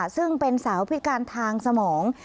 ซึ่งเป็นสาวพิการทางสมอง